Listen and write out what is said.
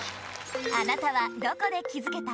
あなたはどこで気づけた？